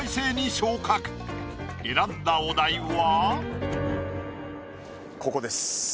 選んだお題は。